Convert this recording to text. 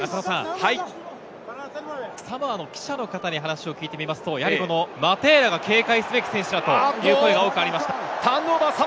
サモアの記者の方に話を聞くと、マテーラが警戒すべき選手だという声が多くありました。